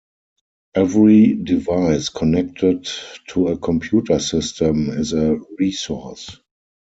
Every device connected to a computer system is a resource.